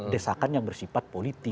desakan yang bersifat politik